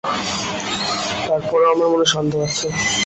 তার পরেও আমার মনে সন্দেহ আছে।